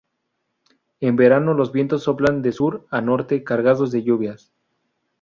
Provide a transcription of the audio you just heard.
En verano los vientos soplan de sur a norte, cargados de lluvias.